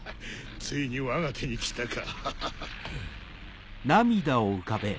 ついにわが手に来たか。